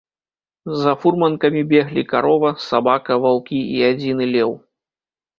За фурманкамі беглі карова, сабака, ваўкі і адзіны леў.